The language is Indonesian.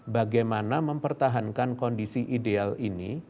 bagaimana mempertahankan kondisi ideal ini